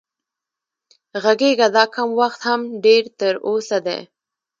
غږېږه دا کم وخت هم ډېر تر اوسه دی